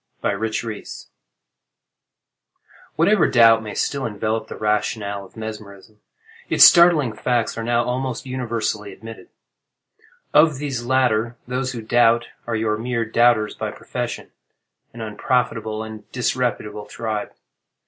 MESMERIC REVELATION Whatever doubt may still envelop the rationale of mesmerism, its startling facts are now almost universally admitted. Of these latter, those who doubt, are your mere doubters by profession—an unprofitable and disreputable tribe.